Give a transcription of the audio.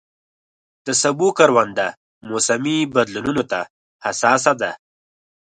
د سبو کرونده موسمي بدلونونو ته حساسه ده.